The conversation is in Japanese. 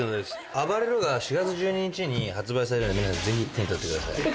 『ＡＢＡＲＥＲＯ』が４月１２日に発売されるので皆さんぜひ手に取ってください。